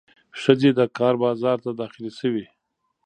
ښځې د کار بازار ته داخلې شوې.